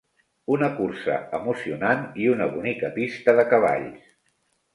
Una cursa emocionant i una bonica pista de cavalls.